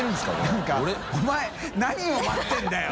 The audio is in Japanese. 燭お前何を待ってるんだよ！